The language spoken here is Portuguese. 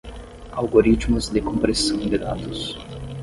Algoritmos de compressão de dados.